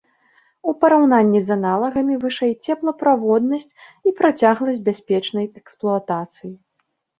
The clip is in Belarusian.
У параўнанні з аналагамі вышэй цеплаправоднасць і працягласць бяспечнай эксплуатацыі.